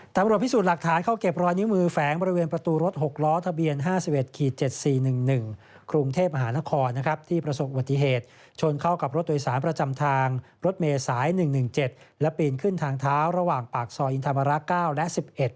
ตำรวจพิสูจน์หลักฐานเข้าเก็บรอยนิ้วมือแฝงบริเวณประตูรถ๖ล้อทะเบียน๕๑๗๔๑๑กรุงเทพมหานครที่ประสบอุบัติเหตุชนเข้ากับรถโดยสารประจำทางรถเมย์สาย๑๑๗และปีนขึ้นทางเท้าระหว่างปากซอยอินธรรมรักษ์๙และ๑๑